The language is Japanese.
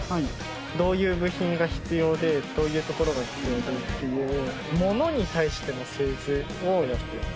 どういう部品が必要でどういうところが必要でっていう物に対しての製図をやってます。